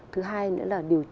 thứ hai nữa là